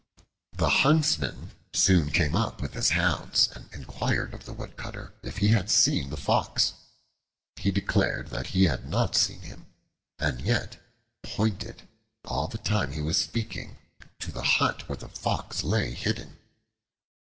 The huntsman soon came up with his hounds and inquired of the Woodcutter if he had seen the Fox. He declared that he had not seen him, and yet pointed, all the time he was speaking, to the hut where the Fox lay hidden.